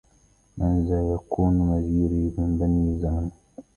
من ذا يكون مجيري من بني زمن